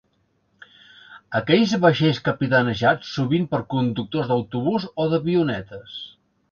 Aquells vaixells capitanejats sovint per conductors d’autobús o d’avionetes.